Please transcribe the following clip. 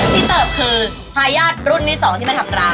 พี่ตบคือขาย่าดรุ่นที่สองที่ทำร้าน